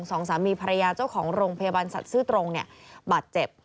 สองสามีภรรยาเจ้าของโรงพยาบาลสัตว์ซื้อตรงเนี่ยบาดเจ็บ